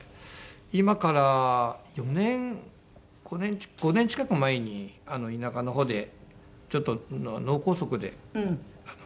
今から４年５年近く前に田舎の方でちょっと脳梗塞で倒れましてね。